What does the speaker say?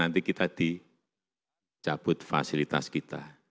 nanti kita di cabut fasilitas kita